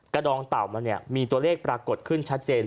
ดองเต่ามันเนี่ยมีตัวเลขปรากฏขึ้นชัดเจน